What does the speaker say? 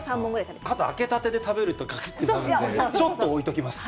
ただ、開けたてで食べると、かくっとなるので、ちょっと置いときます。